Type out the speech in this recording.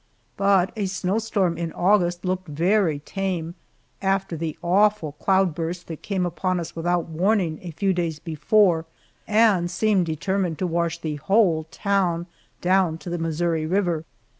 But a snowstorm in August looked very tame after the awful cloud burst that came upon us without warning a few days before, and seemed determined to wash the whole town down to the Missouri River.